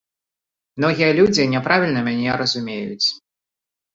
Многія людзі няправільна мяне разумеюць.